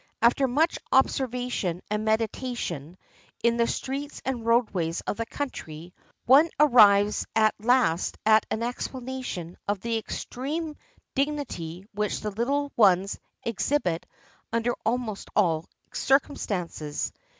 After much observation and meditation 468 JAPANESE CHILDREN AND THEIR GAMES in the streets and roadways of the country, one arrives at last at an explanation of the extreme dignity which the little ones exhibit under almost all circumstances.